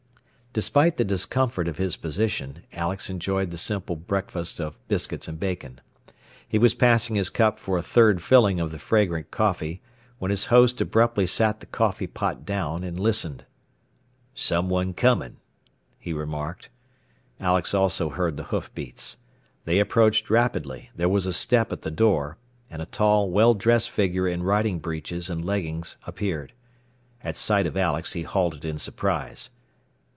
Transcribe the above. Despite the discomfort of his position Alex enjoyed the simple breakfast of biscuits and bacon. He was passing his cup for a third filling of the fragrant coffee, when his host abruptly sat the coffee pot down and listened. "Someone coming," he remarked. Alex also heard the hoofbeats. They approached rapidly, there was a step at the door, and a tall, well dressed figure in riding breeches and leggings appeared. At sight of Alex he halted in surprise.